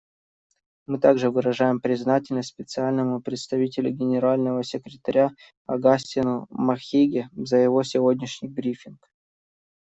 Мы также выражаем признательность Специальному представителю Генерального секретаря Огастину Махиге за его сегодняшний брифинг.